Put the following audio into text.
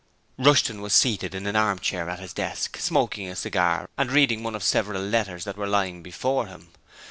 Rushton was seated in an armchair at his desk, smoking a cigar and reading one of several letters that were lying before him.